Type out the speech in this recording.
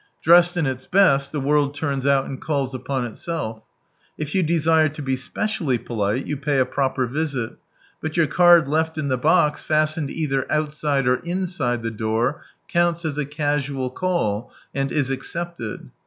Dressed in its best, the world turns out and calls upon itself. If you desire to be specially polite, you pay a proper visit. But your card left in the box, fastened either outside, or inside the door, counts as a casual call, and is accepted.